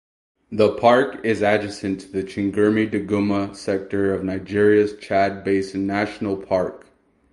The park is adjacent to the Chingurmi-Duguma sector of Nigeria's Chad Basin National Park.